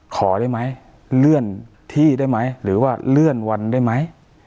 ขอได้ไหมเลื่อนที่ได้ไหมหรือว่าเลื่อนวันได้ไหม